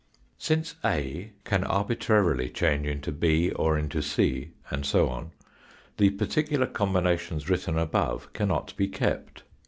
Since a can arbitrarily change into 6, or into c, and so on, the particular combinations written above cannot be kept.